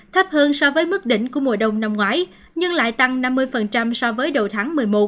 thấp hơn so với mức đỉnh của mùa đông năm ngoái nhưng lại tăng năm mươi so với đầu tháng một mươi một